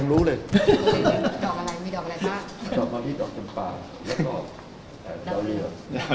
แล้วก็กินปลาแล้วก็ดาวเลีย